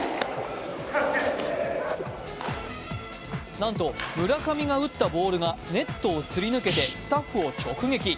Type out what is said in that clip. なんと、村上が打ったボールがネットをすり抜けてスタッフを直撃。